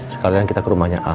sekalian kita ke rumahnya a